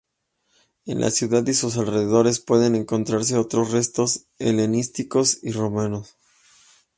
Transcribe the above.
En la ciudad y sus alrededores pueden encontrarse otros restos helenísticos y romanos.